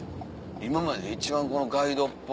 今までで一番ガイドっぽい。